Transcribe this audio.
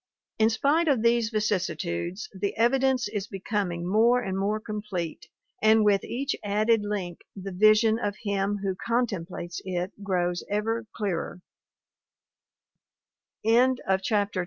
In spite of these vicissitudes the evidence is becoming more and more complete, and with each added link the vision of him who contemplates it grows ever clearer.